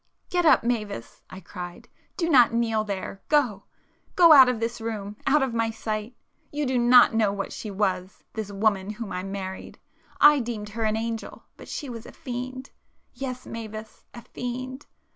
"Get up, Mavis!" I cried—"Do not kneel there! Go,—go out of this room,—out of my sight! You do not know what she was—this woman whom I married,—I deemed her an angel, but she was a fiend,—yes, Mavis, a fiend!